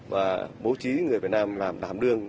và bố trí người việt nam làm đám đương